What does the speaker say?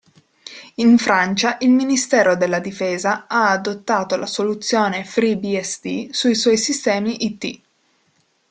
In Francia il Ministero della Difesa ha adottato la soluzione FreeBSD sui suoi sistemi IT.